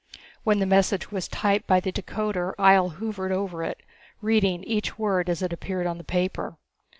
When the message was typed by the decoder Ihjel hovered over it, reading each word as it appeared on the paper.